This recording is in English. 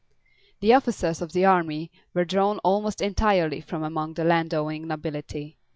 The officers of the army were drawn almost entirely from among the land owning nobility.